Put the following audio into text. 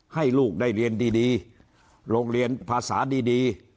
ให้ลูกได้เรียนดีโรงเรียนภาษาดี